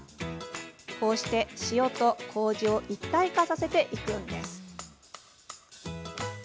こうして塩と、こうじを一体化させていくんです。